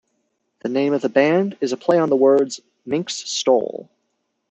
The name of the band is a play on the words "minks stole".